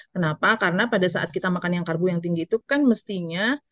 kenapa karena pada saat kita makan yang karbo yang tinggi itu kan mestinya